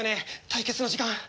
対決の時間。